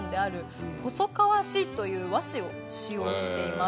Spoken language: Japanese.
という和紙を使用しています。